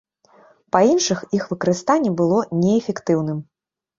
Па іншых, іх выкарыстанне было неэфектыўным.